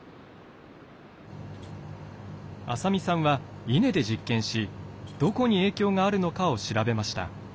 浅見さんはイネで実験しどこに影響があるのかを調べました。